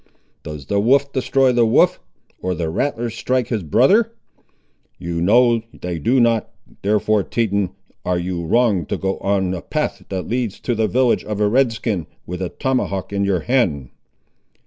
Does the wolf destroy the wolf, or the rattler strike his brother? You know they do not; therefore, Teton, are you wrong to go on a path that leads to the village of a Red skin, with a tomahawk in your hand."